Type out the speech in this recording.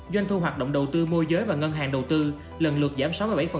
doanh thu hoạt động đầu tư môi giới và ngân hàng đầu tư lần lượt giảm sáu mươi bảy